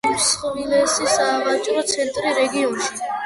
უმსხვილესი სავაჭრო ცენტრია რეგიონში.